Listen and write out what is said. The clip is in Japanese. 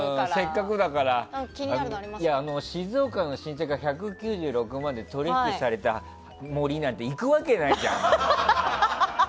静岡の新茶が１９６万で取引されたの森なんて行くわけないじゃん。